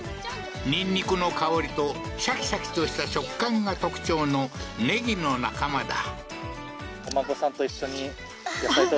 ニンニクの香りとシャキシャキとした食感が特徴のネギの仲間だ。